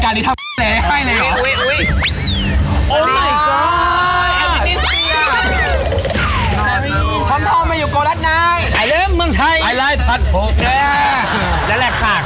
รายการนี้ทำแซ่ให้